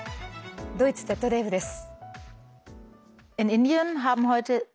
ドイツＺＤＦです。